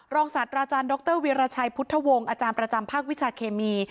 ลองสั่นดรวิราชัยพุทธวงศ์อประจำภาควิชาเคมี